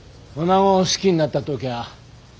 おなごを好きになった時ゃあ